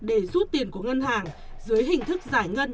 để rút tiền của ngân hàng dưới hình thức giải ngân